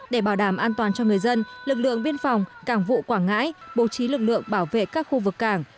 để bảo đảm an toàn cho người dân lực lượng biên phòng cảng vụ quảng ngãi bố trí lực lượng bảo vệ các khu vực cảng